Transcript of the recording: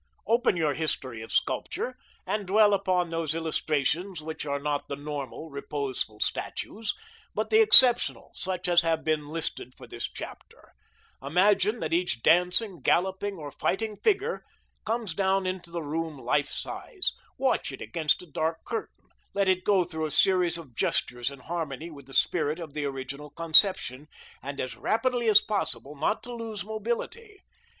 Open your history of sculpture, and dwell upon those illustrations which are not the normal, reposeful statues, but the exceptional, such as have been listed for this chapter. Imagine that each dancing, galloping, or fighting figure comes down into the room life size. Watch it against a dark curtain. Let it go through a series of gestures in harmony with the spirit of the original conception, and as rapidly as possible, not to lose nobility.